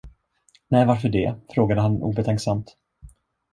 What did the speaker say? Nej, varför det? frågade han obetänksamt.